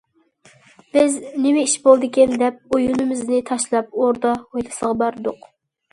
بىز:« نېمە ئىش بولدىكىن» دەپ ئويۇنىمىزنى تاشلاپ، ئوردا ھويلىسىغا باردۇق.